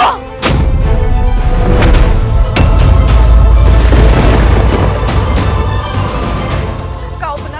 aku benar benar menyusah